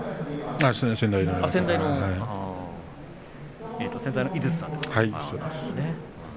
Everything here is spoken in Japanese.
先代の井筒さんですね。